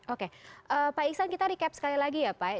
oke pak iksan kita recap sekali lagi ya pak